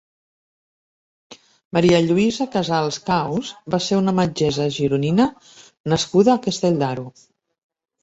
Maria Lluïsa Casals Caus va ser una metgessa gironina nascuda a Castell d'Aro.